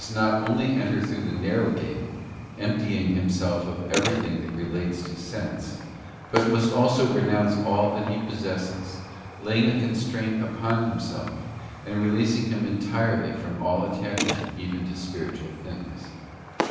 not only enter through the narrow gate, emptying himself of everything that relates to sense, but must also renounce all that he possesses, laying a con straint upon himself, and releasing himself entirely from all attachment even to spiritual things.